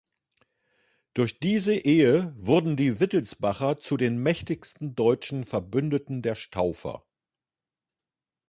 Durch diese Ehe wurden die Wittelsbacher zu den mächtigsten deutschen Verbündeten der Staufer.